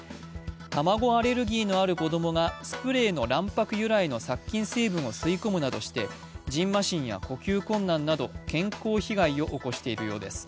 卵アレルギーのある子供がスプレーの卵白由来の殺菌成分を吸い込むなどしてじんましんや呼吸困難など健康被害を起こしているようです。